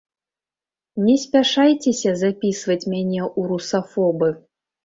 Не спяшайцеся запісваць мяне у русафобы.